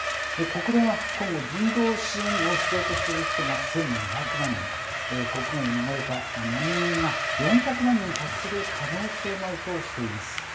国連は今後、人道支援を必要とする人が１２００万人国外に逃れた難民が４００万人に達する可能性もあるとしています。